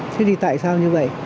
thế thì tại sao như vậy